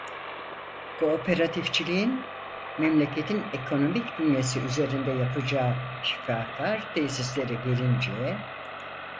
Kooperatifçiliğin memleketin ekonomik bünyesi üzerinde yapacağı şifakar tesirlere gelince…